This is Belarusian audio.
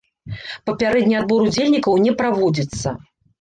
Папярэдні адбор удзельнікаў не праводзіцца.